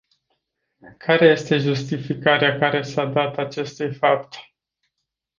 Care este justificarea care s-a dat acestui fapt?